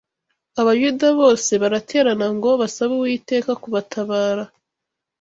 Abayuda bose baraterana ngo basabe Uwiteka kubatabara